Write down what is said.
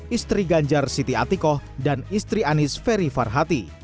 istri ganjar siti atikoh dan istri anies ferry farhati